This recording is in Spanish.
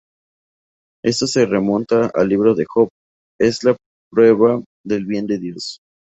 Esto se remonta al libro de Job, es la prueba del bien de Dios.